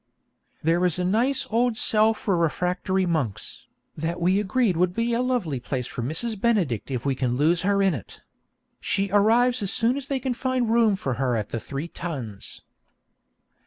There is a nice old cell for refractory monks, that we agreed will be a lovely place for Mrs. Benedict if we can lose her in it. She arrives as soon as they can find room for her at the Three Tuns.